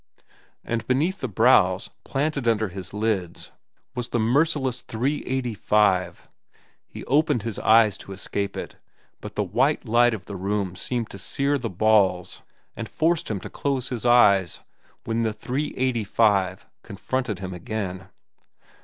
And beneath the brows, planted under his lids, was the merciless "$3.85." He opened his eyes to escape it, but the white light of the room seemed to sear the balls and forced him to close his eyes, when the "$3.85" confronted him again.